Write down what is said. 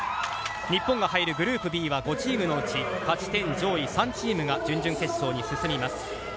日本が入るグループＢは５チームのうち勝ち点上位３チームが準々決勝に進みます。